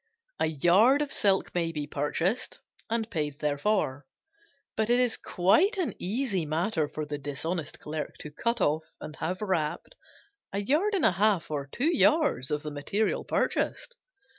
A yard of silk may be purchased and paid therefor, but it is quite an easy matter for the dishonest clerk to cut off and have wrapped a yard and a half or two yards of the material purchased.